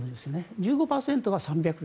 １５％が３００両。